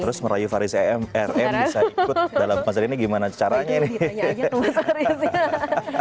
terus merayu faris em rm bisa ikut dalam fase ini gimana caranya nih